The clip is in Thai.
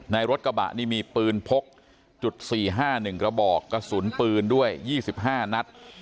ในรถกระบะนี่มีปืนพกจุดสี่ห้าหนึ่งระบอกกระสุนปืนด้วยยี่สิบห้านัด